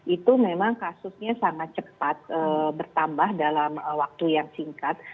itu memang kasusnya sangat cepat bertambah dalam waktu yang singkat